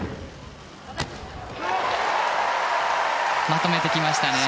まとめてきましたね。